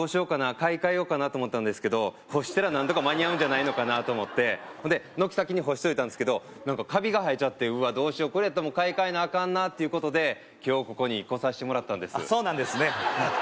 買い換えようかなと思ったんですけど干したら何とか間に合うんじゃないのかなと思ってほんで軒先に干しといたんですけどなんかカビが生えちゃってうわっどうしようこれやったらもう買い換えなあかんなっていうことで今日ここに来させてもらったんですあっそうなんですね